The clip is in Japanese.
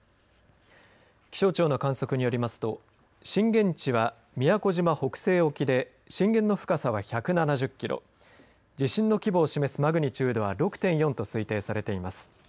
気象庁の観測によりますと震源地は宮古島北西沖で震源の深さは１７０キロ地震の規模を示すマグニチュードは６．４と推定されています。